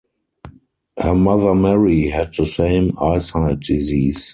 Her mother Mary had the same eyesight disease.